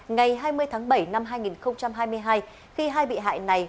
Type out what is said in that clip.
ngày hai mươi tháng bảy năm hai nghìn hai mươi hai khi hai bị hại này